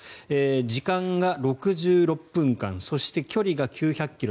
時間が６６分間そして距離が９００ｋｍ